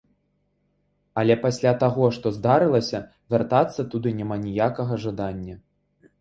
Але пасля таго, што здарылася, вяртацца туды няма ніякага жадання.